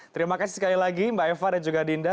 terima kasih sekali lagi mbak eva dan juga dinda